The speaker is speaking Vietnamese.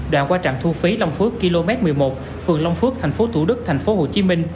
đã qua trạm thu phí long phước km một mươi một phường long phước tp tủ đức tp hcm